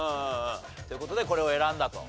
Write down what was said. という事でこれを選んだと。